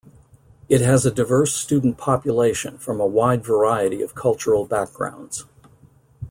It has a diverse student population from a wide variety of cultural backgrounds.